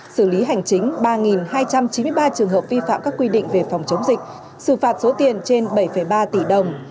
xử lý hành chính ba hai trăm chín mươi ba trường hợp vi phạm các quy định về phòng chống dịch xử phạt số tiền trên bảy ba tỷ đồng